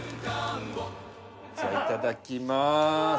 じゃあいただきます